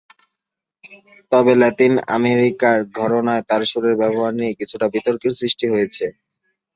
তবে, লাতিন আমেরিকার ঘরানায় তার সুরের ব্যবহার নিয়ে কিছুটা বিতর্কের সৃষ্টি হয়েছে।